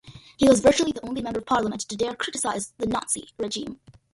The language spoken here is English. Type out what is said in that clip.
He was virtually the only Member of Parliament to dare criticize the Nazi regime.